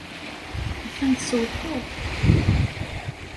A-t-an tsewqeḍ.